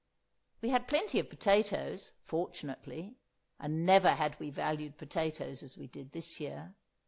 We had plenty of potatoes, fortunately (and never had we valued potatoes as we did this year!)